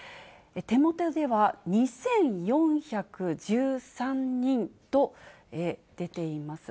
手元では、２４１３人と出ています。